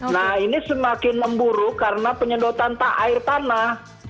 nah ini semakin memburuk karena penyedotan air tanah